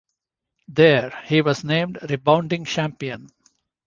There, he was named rebounding champion.